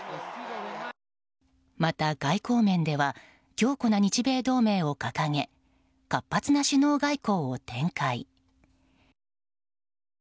また、外交面では強固な日米同盟を掲げ活発な首脳外交を展開。